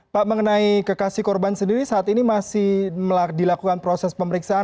pak mengenai kekasih korban sendiri saat ini masih dilakukan proses pemeriksaan